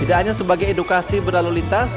tidak hanya sebagai edukasi berlalu lintas